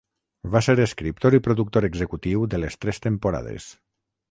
Va ser escriptor i productor executiu de les tres temporades.